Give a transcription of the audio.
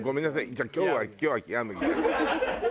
じゃあ今日は今日は冷麦で。